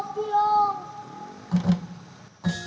tak terlalu kakek